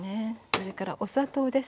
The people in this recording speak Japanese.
それからお砂糖です。